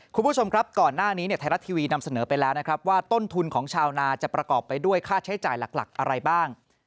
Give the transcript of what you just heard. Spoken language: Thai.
คุณผู้ชมครับก่อนหน้านี้ไทยรัฐทีวีนำเสนอไปแล้วนะครับว่าต้นทุนของชาวนาจะประกอบไปด้วยค่าใช้จ่ายหลักอะไรบ้าง